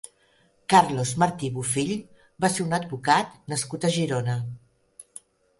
Carlos Martí Bufill va ser un advocat nascut a Girona.